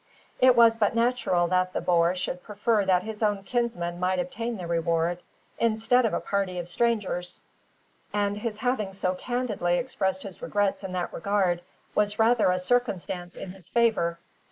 It was but natural that the boer should prefer that his own kinsmen might obtain the reward, instead of a party of strangers; and his having so candidly expressed his regrets in that regard was rather a circumstance in his favour.